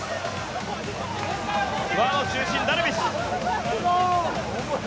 輪の中心、ダルビッシュ。